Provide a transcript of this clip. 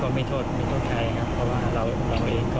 ไม่โทษไม่โทษใครครับเพราะว่าเราเองก็